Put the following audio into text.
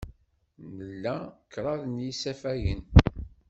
Nla kraḍ n yisafagen.